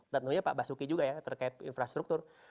tentunya pak basuki juga ya terkait infrastruktur